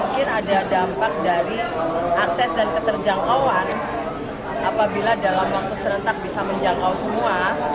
keterjangkauan apabila dalam waktu serentak bisa menjangkau semua